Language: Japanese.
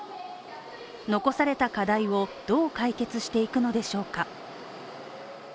残された課題をどう解決していくのでしょうか